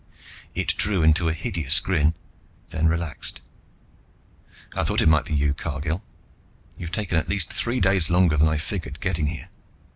It drew into a hideous grin, then relaxed. "I thought it might be you, Cargill. You've taken at least three days longer than I figured, getting here.